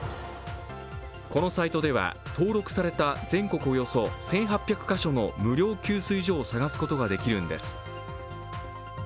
このサイトでは、登録された全国およそ１８００カ所の無料給水所を探すことができるんです。